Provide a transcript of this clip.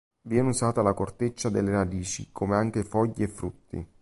Viene usata la corteccia delle radici come anche foglie e frutti.